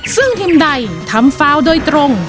ซึ่งทีมใดทำฟาวโดยตรง